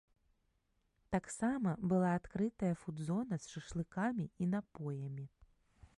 Таксама была адкрытая фуд-зона з шашлыкамі і напоямі.